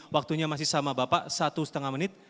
waktunya masih sama bapak satu setengah menit